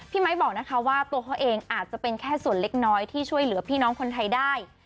ไมค์บอกนะคะว่าตัวเขาเองอาจจะเป็นแค่ส่วนเล็กน้อยที่ช่วยเหลือพี่น้องคนไทยได้